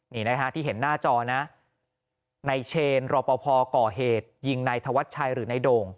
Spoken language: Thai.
นี่นะฮะที่เห็นหน้าจอนะในเชนรอปภก่อเหตุยิงนายธวัชชัยหรือในโด่ง